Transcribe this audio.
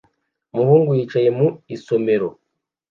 Umuhungu yicaye mu isomero